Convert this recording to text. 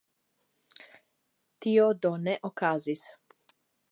Tio do ne okazis.